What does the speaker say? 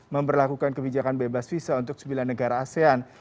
memperlakukan kebijakan bebas visa untuk sembilan negara asean